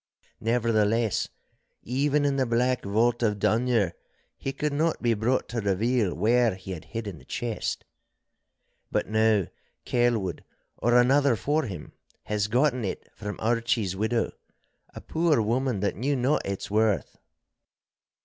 Nevertheless, even in the Black Vault of Dunure he could not be brought to reveal where he had hidden the chest. But now Kelwood, or another for him, has gotten it from Archie's widow, a poor woman that knew not its worth.